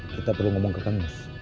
kita perlu ngomong ke kang mus